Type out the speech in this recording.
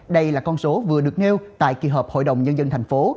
đây là con số vừa được nêu tại kỳ họp hội đồng nhân dân thành phố